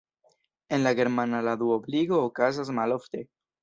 En la germana la duobligo okazas malofte.